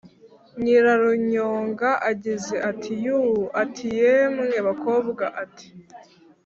nyira runyonga agize ati yuuu, ati yemwe bakobwa, ati